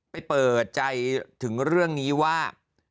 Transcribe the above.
เปิดใจถึงเรื่องนี้ว่า